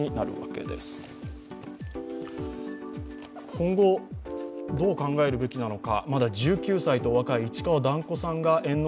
今後、どう考えるべきなのか。